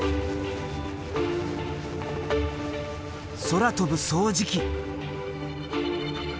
空飛ぶ掃除機！